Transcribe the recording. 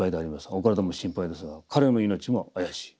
お体も心配ですが彼の命も怪しい。